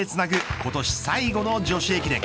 今年最後の女子駅伝。